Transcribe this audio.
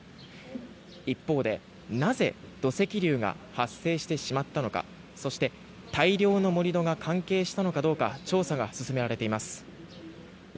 一方で、なぜ土石流が発生してしまったのかそして、大量の盛り土が関係したのかどうか調査が進められています。